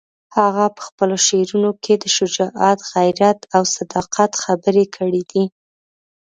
هغه په خپلو شعرونو کې د شجاعت، غیرت او صداقت خبرې کړې دي.